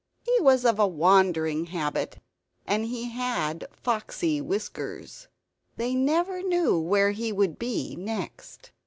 He was of a wandering habit and he had foxy whiskers; they never knew where he would be next.